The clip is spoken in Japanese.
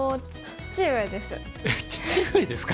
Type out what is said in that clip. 父上です。